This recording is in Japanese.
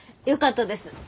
よかったです。